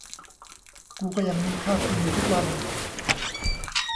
กูก็ยังมีข้าวกินอยู่ทุกวัน